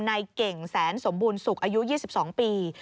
ในเก่งแสนสมบูรณสุขอายุ๒๒ปี